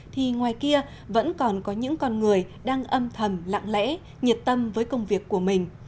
thì ngoài kia vẫn còn có những con người đang âm thầm lặng lẽ nhiệt tâm với công việc của mình